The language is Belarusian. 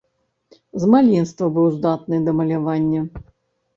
З маленства быў здатны да малявання.